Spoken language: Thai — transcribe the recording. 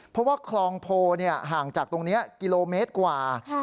เพราะว่าคลองโพห่างจากตรงนี้กิโลเมตรกว่า